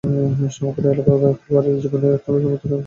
সমগ্র খেলোয়াড়ী জীবনে একটিমাত্র টেস্টে অংশগ্রহণ করেছেন লেস ওয়াট।